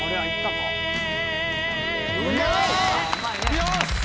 よし！